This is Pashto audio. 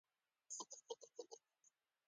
له پېښور کمیشنر سر ریچارډ پالک سره وکتل.